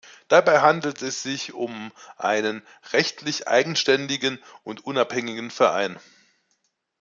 Dabei handelt es sich um einen rechtlich eigenständigen und unabhängigen Verein.